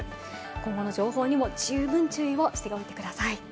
今後の情報にも十分注意をしておいてください。